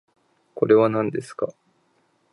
これはなんですか